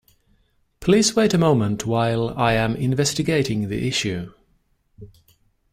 Please wait a moment while I am investigating the issue.